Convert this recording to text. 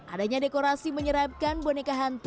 adanya dekorasi menyerapkan boneka hantu